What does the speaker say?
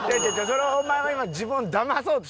それはお前は今自分をだまそうとしてんねん。